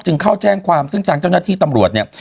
เข้าแจ้งความซึ่งทางเจ้าหน้าที่ตำรวจเนี่ย